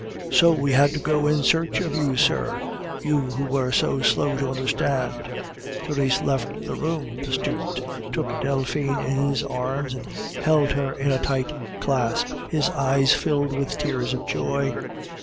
"So we had to go in search of you, sir, you who are so slow to understand!" Therese left the room. The student took Delphine in his arms and held her in a tight clasp, his eyes filled with tears of joy.